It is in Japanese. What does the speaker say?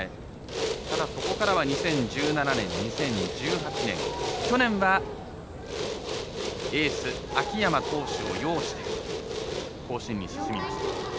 ただ、そこからは２０１７年、２０１８年去年はエース、秋山投手を擁して甲子園に進みました。